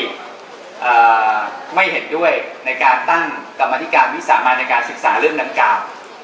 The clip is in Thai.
อ่าไม่เห็นด้วยในการตั้งกรรมธิการวิสามารถในการศึกษาเริ่มน้ำกาล